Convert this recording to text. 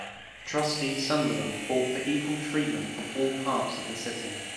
Trustee Sunderland fought for equal treatment of all parts of the city.